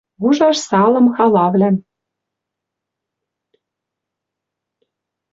Ужаш салым халавлӓм.